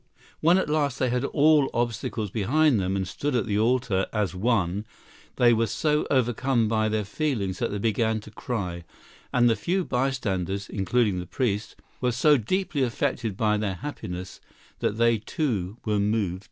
When at last they had all obstacles behind them and stood at the altar as one, they were so overcome by their feelings that they began to cry; and the few bystanders, including the priest, were so deeply affected by their happiness that they too were moved to tears.